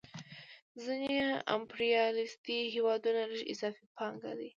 ځینې امپریالیستي هېوادونه لږ اضافي پانګه لري